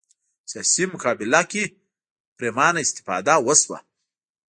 سیاسي مقابله کې پرېمانه استفاده وشوه